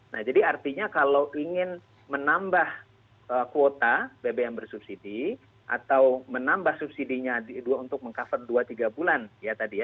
nah jadi artinya kalau ingin menambah kuota bbm bersubsidi atau menambah subsidinya untuk meng cover dua tiga bulan ya tadi ya